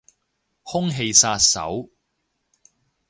空氣殺手